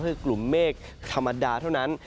ก็คือกลุ่มเมฆธรรมดาเท่านั้น